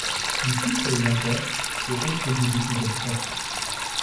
Il souffle les lanternes et autres bougies des habitations.